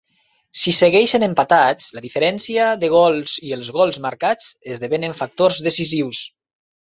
Si segueixen empatats, la diferència de gols i els gols marcats esdevenen factors decisius.